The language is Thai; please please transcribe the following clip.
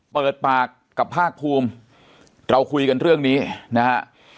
เปิดปากกับภาคภูมิเราคุยกันเรื่องนี้นะฮะ